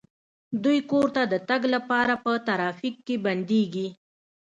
دوی کور ته د تګ لپاره په ترافیک کې بندیږي